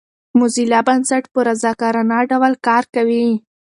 د موزیلا بنسټ په رضاکارانه ډول کار کوي.